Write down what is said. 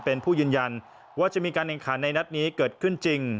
เป็นผู้ยืนยันว่าจะมีการแข่งขันในนัดนี้เกิดขึ้นจริง